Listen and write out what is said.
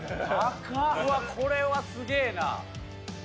うわこれはすげえな。